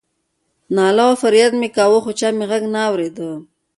ناله او فریاد مې کاوه خو چا مې غږ نه اورېده.